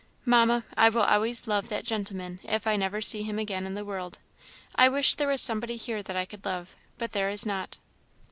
Mamma, I will always love that gentleman, if I never see him again in the world. I wish there was somebody here that I could love, but there is not.